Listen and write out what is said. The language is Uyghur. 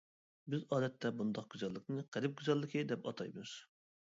بىز ئادەتتە بۇنداق گۈزەللىكنى قەلب گۈزەللىكى دەپ ئاتايمىز.